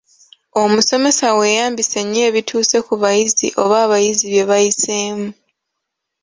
Omusomesa weeyambise nnyo ebituuse ku bayizi oba abayizi bye bayiseemu.